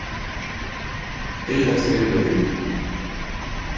Stejně tak se věnuje dabingu.